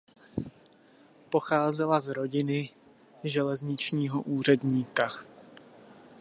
Pocházela z rodiny železničního úředníka.